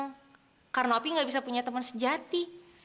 nggak senang karena opi nggak bisa punya teman sejati